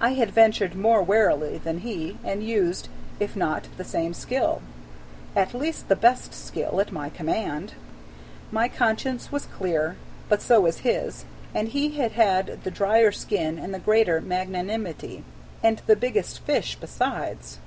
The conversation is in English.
I had ventured more warily than he, and used, if not the same skill, at least the best skill at my command. My conscience was clear, but so was his; and he had had the drier skin and the greater magnanimity and the biggest fish besides.